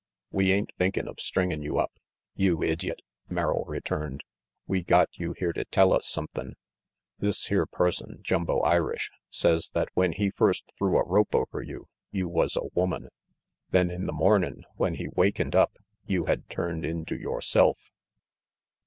"We ain't thinkin' of stringin' you up, you idjiot," Merrill returned. "We got you here to tell us sumthin'. This here person, Jumbo Irish, says that when he first threw a rope over you, you was a woman. Then in the mornin' when he wakened up, you had turned into yoreself."